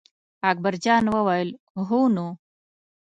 اکبر جان وویل: هو نو.